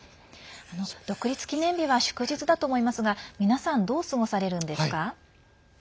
独立記念日は祝日だと思いますが皆さんどう過ごされるんですか？